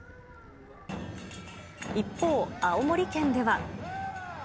一方、青森県では。